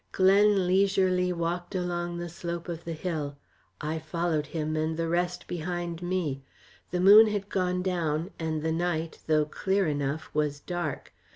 Glen leisurely walked along the slope of the hill. I followed him, and the rest behind me. The moon had gone down, and the night, though clear enough, was dark.